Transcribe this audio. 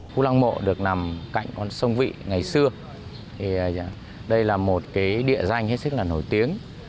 khu lăng mộ được nằm cạnh con sông vị ngày xưa thì đây là một cái địa danh hết sức là nổi tiếng